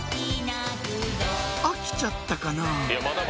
飽きちゃったかな？